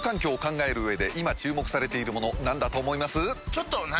ちょっと何？